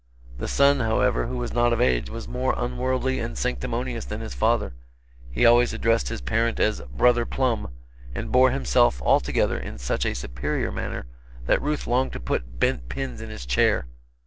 The son; however, who was not of age, was more unworldly and sanctimonious than his father; he always addressed his parent as "Brother Plum," and bore himself, altogether in such a superior manner that Ruth longed to put bent pins in his chair.